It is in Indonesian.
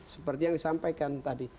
seperti yang disampaikan tadi